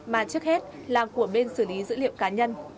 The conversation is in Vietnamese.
mà trước hết là của bên xử lý dữ liệu cá nhân